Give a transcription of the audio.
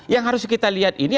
yang harus kita lihat ini